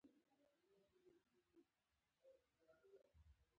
قلموال خپل تاریخي رسالت ترسره کړي